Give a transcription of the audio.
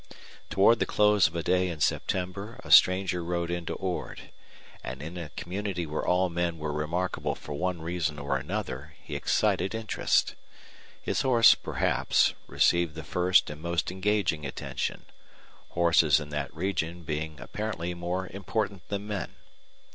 Toward the close of a day in September a stranger rode into Ord, and in a community where all men were remarkable for one reason or another he excited interest. His horse, perhaps, received the first and most engaging attention horses in that region being apparently more important than men.